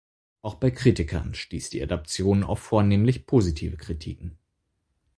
Auch bei Kritikern stieß die Adaption auf vornehmlich positive Kritiken.